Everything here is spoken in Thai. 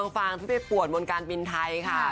ฟางที่ไปปวดบนการบินไทยค่ะ